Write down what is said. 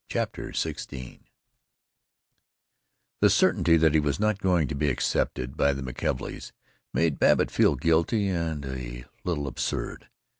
CHAPTER XVI I The certainty that he was not going to be accepted by the McKelveys made Babbitt feel guilty and a little absurd.